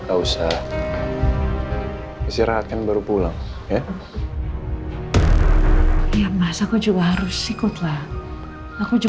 amir raffan juga keluarga aku